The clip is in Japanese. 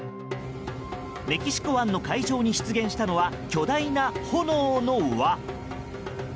メキシコ湾の海上に出現したのは巨大な炎の輪。